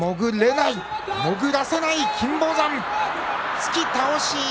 突き倒し。